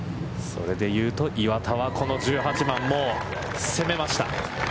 それで言うと、岩田はこの１８番も攻めました。